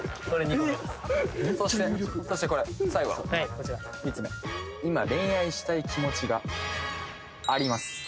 そしてこれ最後の３つ目今恋愛したい気持ちがあります